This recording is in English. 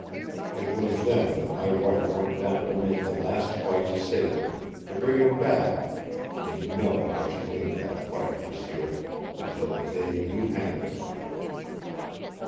It was then that my wife went down to make a last fight to save him, to bring him back, and you know how she made that fight, m'sieu until the day you hanged him!"